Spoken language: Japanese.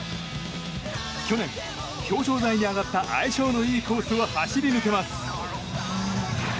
去年、表彰台に上がった相性のいいコースを走り抜けます。